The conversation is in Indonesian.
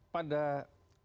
pada saat yang terjadi